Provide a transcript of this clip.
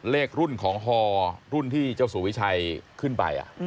เลขรุ่นของฮอรุ่นที่เจ้าสู่วิชัยขึ้นไป